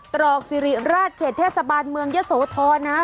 ตรอกสิริราชเขตเทศบาลเมืองยะโสธรนะ